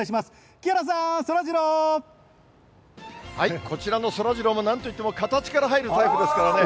木原さん、こちらのそらジローも、なんといっても形から入るタイプですからね。